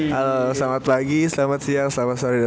halo selamat pagi selamat siang selamat sore